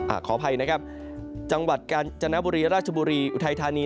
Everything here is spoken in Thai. ขออภัยนะครับจังหวัดกาญจนบุรีราชบุรีอุทัยธานี